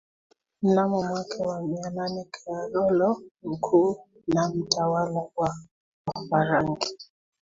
Mnamo mwaka wa mia nane Karolo Mkuu na mtawala wa Wafaranki